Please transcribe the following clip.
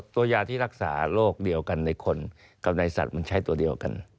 ตัวยาที่รักษาโรคเดียวกันในคนกับในสัตว์มันใช้ตัวเดียวกัน